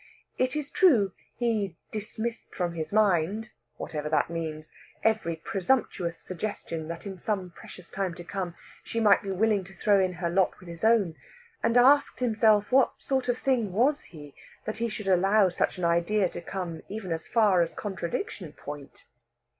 It is true, he "dismissed from his mind" whatever that means every presumptuous suggestion that in some precious time to come she might be willing to throw in her lot with his own, and asked himself what sort of thing was he that he should allow such an idea to come even as far as contradiction point?